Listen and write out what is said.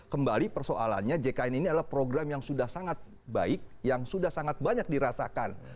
kembali persoalannya jkn ini adalah program yang sudah sangat baik yang sudah sangat banyak dirasakan